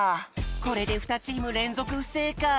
これでふたチームれんぞくふせいかい。